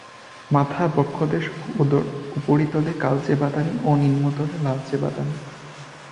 মাথা, বক্ষদেশ ও উদর উপরিতলে কালচে বাদামি ও নিম্নতলে লালচে বাদামি।